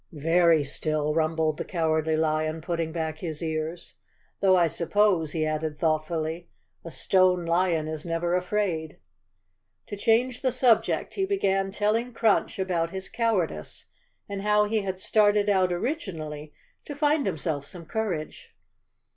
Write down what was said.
"Very still," rumbled the Cowardly Lion, putting back his ears. "Though I suppose," he added thought¬ fully, "a stone lion is never afraid." To change the subject he began telling Crunch about his cowardice, and how he had started out originally to find himself some courage.